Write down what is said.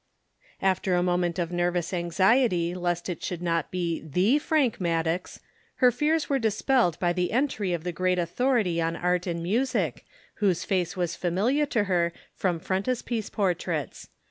After a moment of nervous anxiety lest it should not be the Frank Maddox, her fears were dispelled by the entry of the great authority on art and music, whose face was familiar to her from frontispiece portraits.